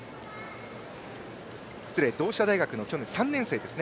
失礼、同志社大学の３年生でした。